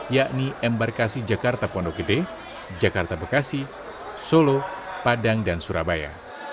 yakni embarkasi jakarta pondok gede jakarta bekasi solo padang dan surabaya